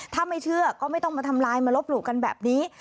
ถ้าไม่เชื่อก็ไม่ต้องมาทำลายมาลบหลู่กันแบบนี้